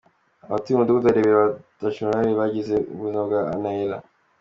Abatuye umudugu wa Rebero batrashimirwa uruhare bagzie ku buzima bwa Anaella.